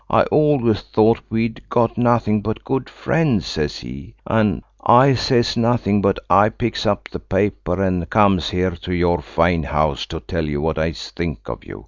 I always thought we'd got nothing but good friends,' says he. An I says nothing, but I picks up the paper, and comes here to your fine house to tell you what I think of you.